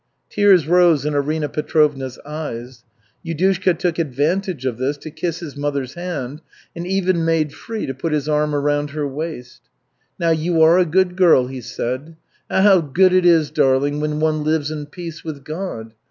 Tears rose in Arina Petrovna's eyes. Yudushka took advantage of this to kiss his mother's hand, and even made free to put his arm around her waist. "Now you are a good girl," he said. "Ah, how good it is, darling, when one lives in peace with God.